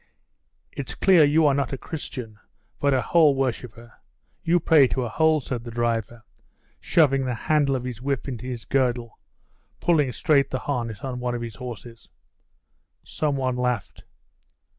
"It's clear you are not a Christian, but a hole worshipper. You pray to a hole," said the driver, shoving the handle of his whip into his girdle, pulling straight the harness on one of the horses. Some one laughed.